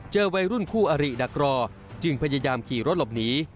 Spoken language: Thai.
วัยรุ่นคู่อริดักรอจึงพยายามขี่รถหลบหนี